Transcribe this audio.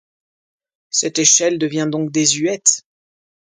Cette échelle devient donc désuète.